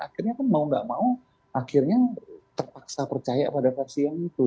akhirnya kan mau nggak mau akhirnya terpaksa percaya pada versi yang itu